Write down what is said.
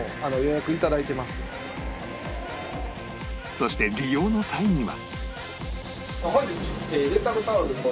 そして利用の際には